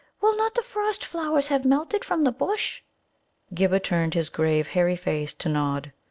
Will not the frost flowers have melted from the bush?" Ghibba turned his grave, hairy face to Nod.